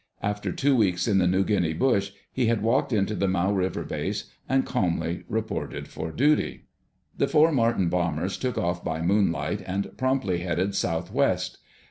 After two weeks in the New Guinea bush he had walked into the Mau River base and calmly reported for duty. The four Martin bombers took off by moonlight and promptly headed southwest.